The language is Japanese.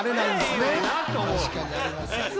確かにあります。